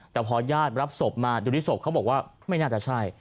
แต่พอญาติรับศพมาดูที่ศพเขาบอกว่าไม่น่าจะใช่